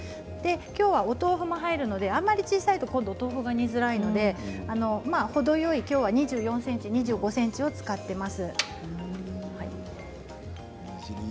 きょうは、お豆腐が入るのであまり小さいとお豆腐が煮えづらいのできょうは程よい２４ｃｍ２５ｃｍを使っています。